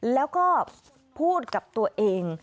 แล้วก็พูดกับตัวเอง